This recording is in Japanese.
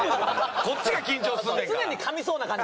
こっちが緊張すんねんから。